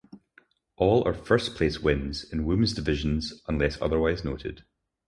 All are first-place wins, in women's divisions, unless otherwise noted.